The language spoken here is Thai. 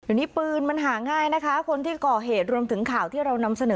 เดี๋ยวนี้ปืนมันหาง่ายนะคะคนที่ก่อเหตุรวมถึงข่าวที่เรานำเสนอ